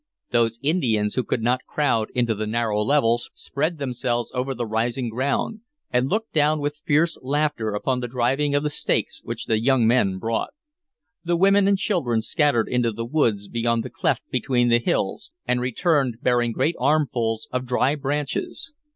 Those Indians who could not crowd into the narrow level spread themselves over the rising ground, and looked down with fierce laughter upon the driving of the stakes which the young men brought. The women and children scattered into the woods beyond the cleft between the hills, and returned bearing great armfuls of dry branches.